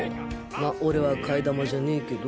ま俺は替え玉じゃねぇけど。